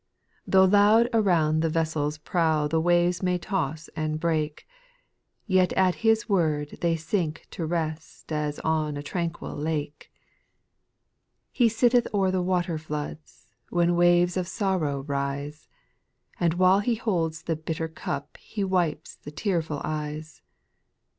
2. Though loud around the vessel's prow The waves may toss and break, Yet at His word they sink to rest As on a tranquil lake. 3. He sitteth o'er the waterfloods. When waves of sorrow rise ; And while He. holds the bitter cup He wipes the tearful eyes.